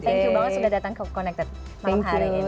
thank you banget sudah datang ke connected malam hari ini